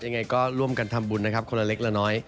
ยังไงก็ร่วมกันทำบุญนะครับคนละเล็กละน้อย